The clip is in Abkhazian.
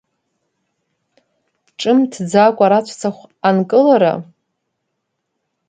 Ҿымҭӡакәа раҵәцахә анкылара?